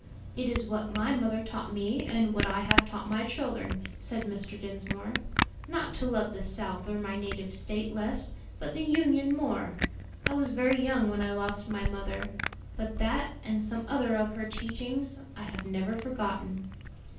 "It is what my mother taught me, and what I have taught my children," said Mr. Dinsmore; "not to love the South or my native State less, but the Union more. I was very young when I lost my mother; but that, and some other of her teachings, I have never forgotten."